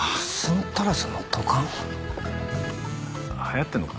流行ってんのか？